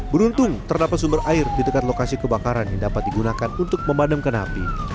beruntung terdapat sumber air di dekat lokasi kebakaran yang dapat digunakan untuk memadamkan api